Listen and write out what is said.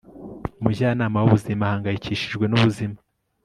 umujyanama w'ubuzima ahangayikishijwe n'ubuzima